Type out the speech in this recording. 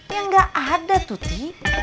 ya gak ada tuti